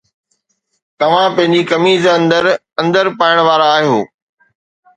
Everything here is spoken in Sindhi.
توهان پنهنجي قميص اندر اندر پائڻ وارا آهيو